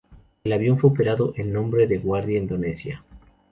El avión fue operado en nombre de Garuda Indonesia.